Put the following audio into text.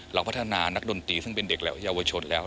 เราพัฒนานักดนตรีซึ่งเป็นเด็กและเยาวชนแล้ว